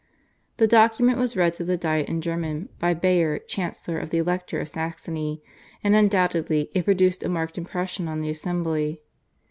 The document was read to the Diet in German by Bayer, Chancellor of the Elector of Saxony, and undoubtedly it produced a marked impression on the assembly.